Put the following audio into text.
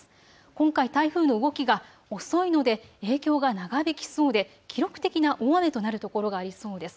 今回、台風の動きが遅いので影響が長引きそうで記録的な大雨となるところがありそうです。